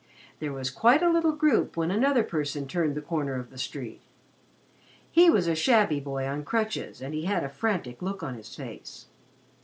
There was quite a little group when another person turned the corner of the street. He was a shabby boy on crutches, and he had a frantic look on his face.